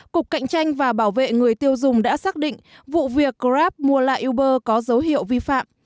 cục cạnh tranh và bảo vệ người tiêu dùng đã xác định vụ việc grab mua lại uber có dấu hiệu vi phạm